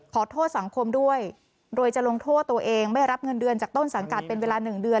ขอโทษสังคมด้วยโดยจะลงโทษตัวเองไม่รับเงินเดือนจากต้นสังกัดเป็นเวลา๑เดือน